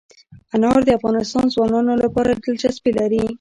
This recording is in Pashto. انار د افغان ځوانانو لپاره دلچسپي لري.